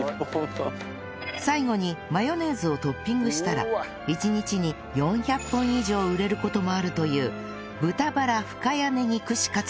最後にマヨネーズをトッピングしたら１日に４００本以上売れる事もあるという豚バラ深谷ねぎ串カツの完成